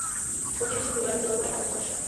কটিদেশে ঝুলানো তরবারি, হাতে বর্শা।